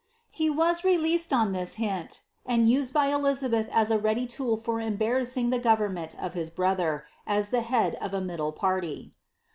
301 He was released on this hint, and used by Elizabeth as a ready too] for embarrassing the government of his brother, as the head of a middle pvty.